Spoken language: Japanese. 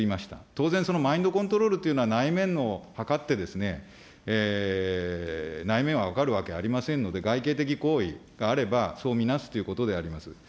当然、マインドコントロールというのは、内面を図ってですね、内面は分かるわけありませんので、外形的行為があれば、そう見なすということであります。